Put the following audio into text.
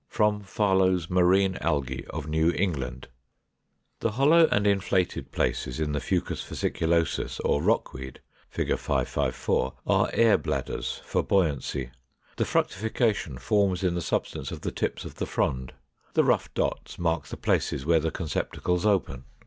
From Farlow's "Marine Algæ of New England."] 509. The hollow and inflated places in the Fucus vesiculosus or Rockweed (Fig. 554) are air bladders for buoyancy. The fructification forms in the substance of the tips of the frond: the rough dots mark the places where the conceptacles open.